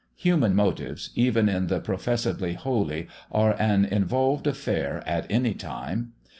Human motives, even in the professedly holy, are an involved affair at any time.